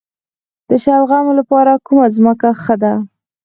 د شلغمو لپاره کومه ځمکه ښه ده؟